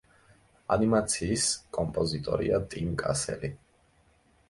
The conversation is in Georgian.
ანიმაციის კომპოზიტორია ტიმ კასელი.